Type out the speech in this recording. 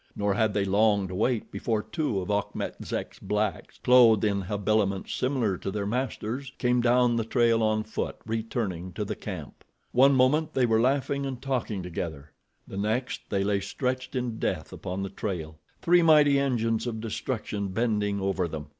Nor had they long to wait before two of Achmet Zek's blacks, clothed in habiliments similar to their master's, came down the trail on foot, returning to the camp. One moment they were laughing and talking together—the next they lay stretched in death upon the trail, three mighty engines of destruction bending over them.